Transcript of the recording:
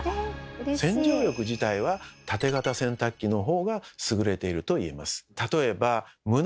洗浄力自体はタテ型洗濯機の方が優れていると言えます。